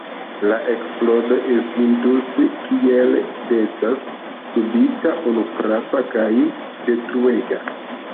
La eksplodo estintus – kiel decas – subita, unufrapa kaj detruega.